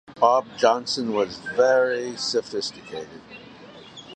Bob Johnston was very sophisticated.